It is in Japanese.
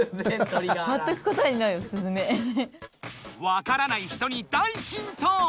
わからない人に大ヒント！